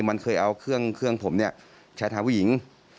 มันเคยเอาเครื่องผมแชทหาผู้หญิง